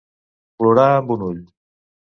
Plorar amb un ull.